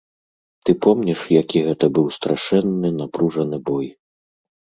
Ты помніш, які гэта быў страшэнны, напружаны бой?